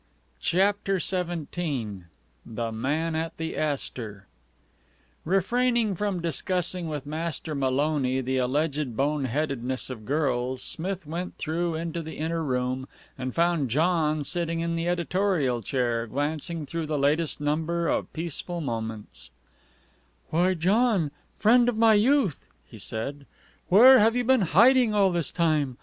CHAPTER XVII THE MAN AT THE ASTOR Refraining from discussing with Master Maloney the alleged bone headedness of girls, Smith went through into the inner room, and found John sitting in the editorial chair, glancing through the latest number of Peaceful Moments. "Why, John, friend of my youth," he said, "where have you been hiding all this time?